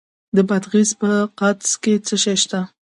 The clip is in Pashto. د بادغیس په قادس کې څه شی شته؟